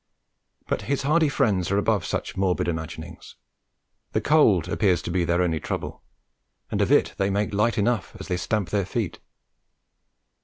But his hardy friends are above such morbid imaginings; the cold appears to be their only trouble, and of it they make light enough as they stamp their feet.